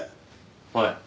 はい。